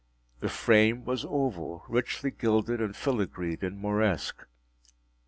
The frame was oval, richly gilded and filigreed in Moresque.